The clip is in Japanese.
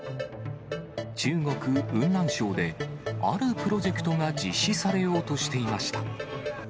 中国・雲南省で、あるプロジェクトが実施されようとしていました。